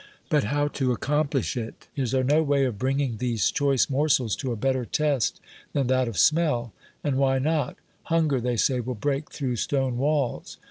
But how to aixomplish it ! Is there no way of bringing these choice morsels to a better ttst than that of smell ? And why not ? Hunger, they say, will break through stone walls.